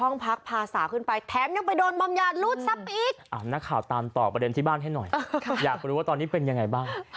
นักข่าวตามต่อประเด็นที่บ้านให้หน่อยอยากรู้ว่าตอนนี้เป็นยังไงบ้าง